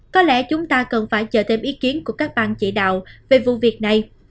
có lẽ chúng ta cần phải chờ thêm ý kiến của các ban chỉ đạo về vụ việc này